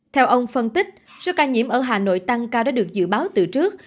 theo ông phân tích số ca nhiễm ở hà nội tăng cao đã được dự báo từ trước